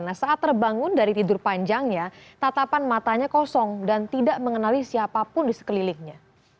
nah saat terbangun dari tidur panjangnya tatapan matanya kosong dan tidak mengenali siapapun di sekelilingnya